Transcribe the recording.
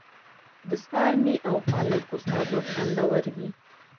د څارمي او پالکو سابه خوندور وي.